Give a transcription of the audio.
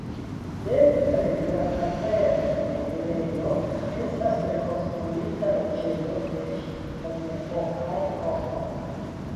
Dekstre de la kavernenirejo estas rekonstruita loĝejo de ŝtonepokaj homoj.